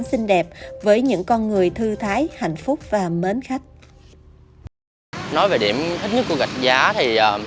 xinh đẹp với những con người thư thái hạnh phúc và mến khách nói về điểm ít nhất của gạch giá thì